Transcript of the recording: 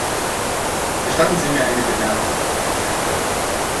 Gestatten Sie mir eine Bemerkung.